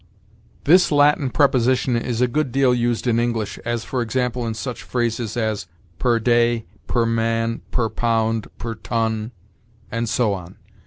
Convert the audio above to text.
This Latin preposition is a good deal used in English, as, for example, in such phrases as per day, per man, per pound, per ton, and so on.